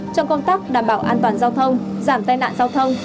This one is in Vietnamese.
trong công tác đảm bảo an toàn giao thông giảm tai nạn giao thông